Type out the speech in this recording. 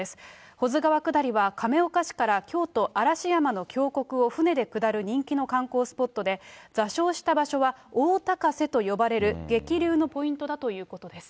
保津川下りは亀岡市から京都・嵐山の峡谷を舟で下る人気の観光スポットで、座礁した場所は大高瀬と呼ばれる激流のポイントだということです。